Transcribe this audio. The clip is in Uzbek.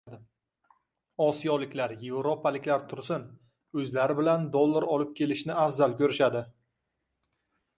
Osiyoliklar, yevropaliklar tursin, o'zlari bilan dollar olib kelishni afzal ko'rishadi